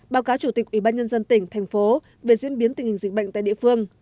báo cáo chủ tịch ủy ban nhân dân tỉnh thành phố về diễn biến tình hình dịch bệnh tại địa phương